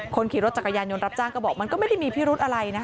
คนขี่รถจักรยานยนต์รับจ้างก็บอกมันก็ไม่ได้มีพิรุธอะไรนะคะ